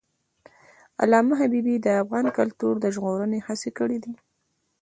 علامه حبیبي د افغان کلتور د ژغورنې هڅې کړی دي.